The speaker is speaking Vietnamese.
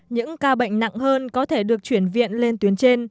những ca bệnh nặng hơn có thể được chuyển viện lên tuyến trên